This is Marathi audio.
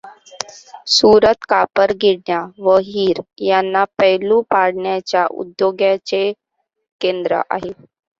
सुरत कापडगिरण्या व हिर् यांना पैलु पाडण्याच्या उद्योगांचे केंद्र आहे.